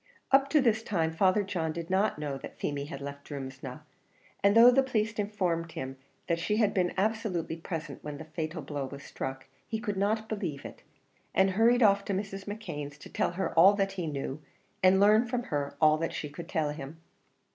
Up to this time Father John did not know that Feemy had left Drumsna; and though the police informed him that she had been absolutely present when the fatal blow was struck, he could not believe it, and hurried off to Mrs. McKeon's, to tell her all that he knew, and learn from her all that she could tell him.